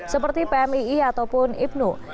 seperti pmii ataupun ipnu